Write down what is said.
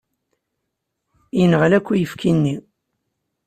Yenɣel akk uyefki-nni.